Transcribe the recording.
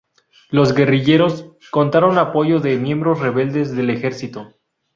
Los guerrilleros contaron apoyo de miembros rebeldes del ejercito.